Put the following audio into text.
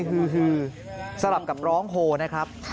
ฮือสลับกับร้องโฮนะครับ